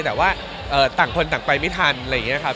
ต่างคนต่างไปไม่ทันอะไรอย่างนี้นะครับ